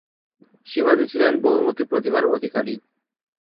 শিবাজী ছিলেন বহুমুখী প্রতিভার অধিকারী।